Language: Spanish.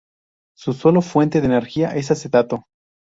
Su sólo fuente de energía es acetato.